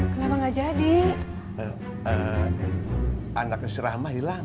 karena anaknya si rahma hilang